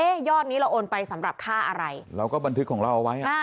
ยอดนี้เราโอนไปสำหรับค่าอะไรเราก็บันทึกของเราเอาไว้อ่ะอ่า